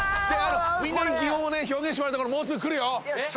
みんなに擬音を表現してもらう所もうすぐ来るよ。